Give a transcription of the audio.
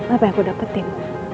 apa yang aku dapetin